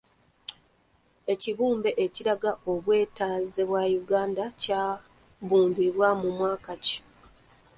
Ekibumbe ekiraga obwetwaze bwa Uganda kyabumbibwa mu mwaka ki?